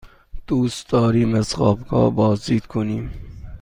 دوست داریم از خوابگاه بازدید کنیم.